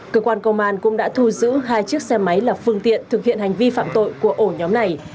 cơ quan công an cũng đã thu giữ hai chiếc xe máy là phương tiện thực hiện hành vi phạm tội của ổ nhóm này